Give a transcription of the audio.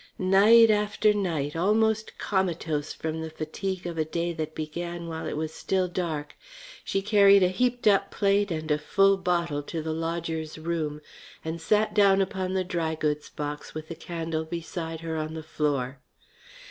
Night after night, almost comatose from the fatigue of a day that began while it was still dark, she carried a heaped up plate and a full bottle to the lodger's room and sat down upon the dry goods box with the candle beside her on the floor.